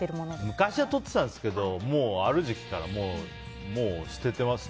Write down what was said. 昔はとってたんですけどある時期からもう、捨ててます。